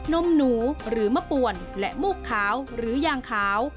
นมหนูหรือมะป่วนและมูกขาวหรือยางขาว